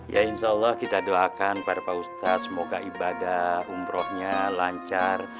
ya insya allah kita doakan para pak ustadz semoga ibadah umrohnya lancar